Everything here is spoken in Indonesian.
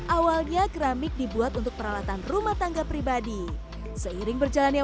seribu sembilan ratus empat awalnya keramik dibuat untuk peralatan rumah tangga pribadi seiring berjalannya